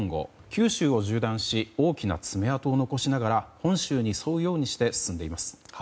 九州を縦断し大きな爪痕を残しながら本州に沿うようにして進んでいます。